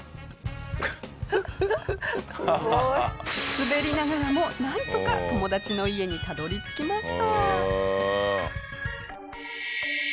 滑りながらもなんとか友達の家にたどり着きました。